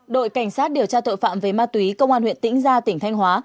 đội cảnh sát điều tra tội phạm về ma túy công an huyện tĩnh gia tỉnh thanh hóa